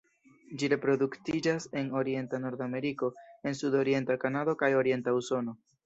Ĝi reproduktiĝas en orienta Nordameriko en sudorienta Kanado kaj orienta Usono.